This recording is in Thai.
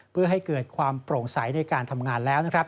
เพื่อให้เกิดความโปร่งใสในการทำงานแล้ว